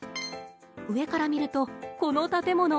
上から見るとこの建物。